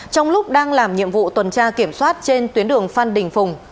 trong lúc đang làm nhiệm vụ tuần tra kiểm soát trên tuyến đường phan đình phùng